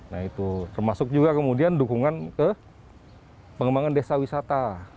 nah itu termasuk juga kemudian dukungan ke pengembangan desa wisata